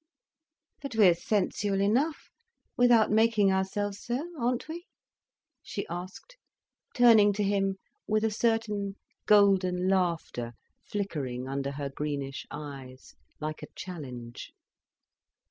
"But we are sensual enough, without making ourselves so, aren't we?" she asked, turning to him with a certain golden laughter flickering under her greenish eyes, like a challenge.